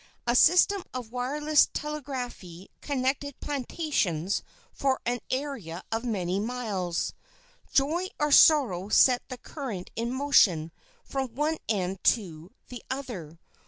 A system of wireless telegraphy connected plantations for an area of many miles. Joy or sorrow set the current in motion from one end to the other.